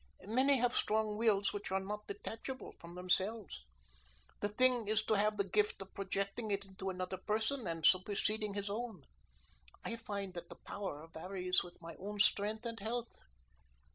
Many have strong wills which are not detachable from themselves. The thing is to have the gift of projecting it into another person and superseding his own. I find that the power varies with my own strength and health."